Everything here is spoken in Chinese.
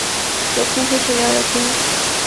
有空会去聊聊天